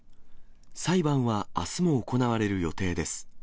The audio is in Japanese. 裁判はあすも行われる予定です。